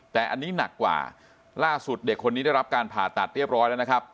แต่อันนี้หนักกว่าล่าสุดเด็กคนนี้ได้รับการผ่าตัดเรียบร้อยแล้วนะครับ